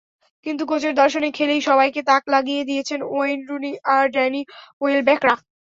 কিন্তু কোচের দর্শনে খেলেই সবাইকে তাক লাগিয়ে দিয়েছেন ওয়েইন রুনি-আর ড্যানি ওয়েলব্যাকরা।